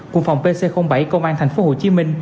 quận phòng pc bảy công an tp hcm